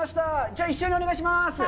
じゃあ一緒にお願いします。